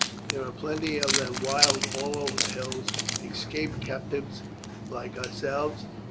There are plenty of them wild all over the hills, escaped captives like ourselves.